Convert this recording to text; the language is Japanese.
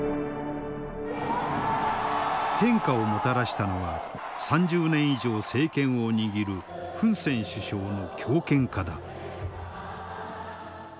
変化をもたらしたのは３０年以上政権を握るフン・セン首相の強権化だ。